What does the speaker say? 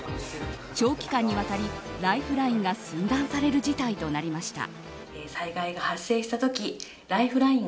長期間にわたりライフラインが寸断される事態となりました。